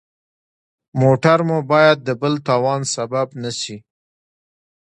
موټر مو باید د بل تاوان سبب نه شي.